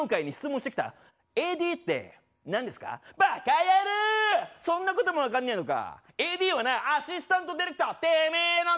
続いてそんなことも分かんねえのか！